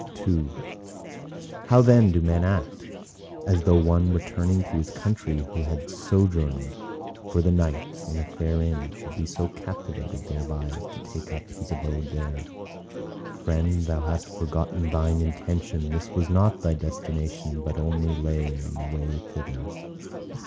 II How then do men act? As though one returning to his country who had sojourned for the night in a fair inn, should be so captivated thereby as to take up his abode there. "Friend, thou hast forgotten thine intention! This was not thy destination, but only lay on the way thither."